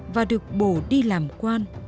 và được bổ đi làm quan